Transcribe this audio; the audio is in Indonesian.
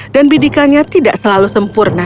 dan bidikannya tidak selalu sempurna